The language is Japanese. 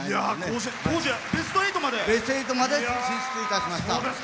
ベスト８まで進出いたしました。